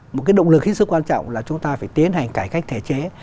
một cái động lực khí sức quan trọng là chúng ta phải tiến hành cải cách thể chế